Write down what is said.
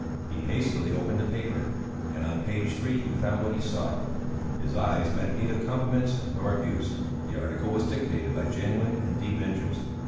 He hastily opened the paper and on page three he found what he sought. His eyes met neither compliments nor abuse; the article was dictated by genuine and deep interest.